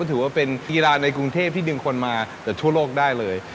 ถือว่าเป็นกีฬาในกรุงเทพที่ดึงคนมาจากทั่วโลกได้เลย